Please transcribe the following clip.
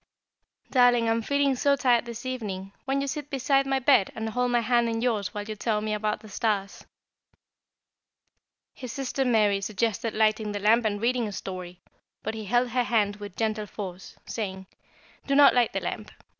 "Darling, I am feeling so tired this evening, won't you sit beside my bed and hold my hand in yours while you tell me about the stars?" His sister Mary suggested lighting the lamp and reading a story, but he held her hand with gentle force, saying: "Do not light the lamp.